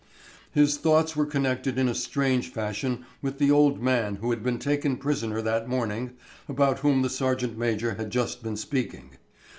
His thoughts were connected in a strange fashion with the old man who had been taken prisoner that morning, about whom the sergeant major had just been speaking.